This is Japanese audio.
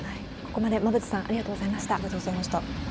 ここまで馬渕さん、ありがとうございました。